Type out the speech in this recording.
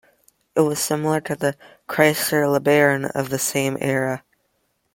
It was similar to the Chrysler LeBaron of the same era.